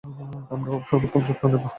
আমরা ওর সর্বোত্তম যত্ন নেব।